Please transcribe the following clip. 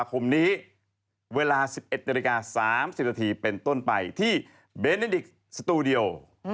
คมนี้เวลา๑๑นาฬิกา๓๐นาทีเป็นต้นไปที่เบเนดิกสตูดิโอ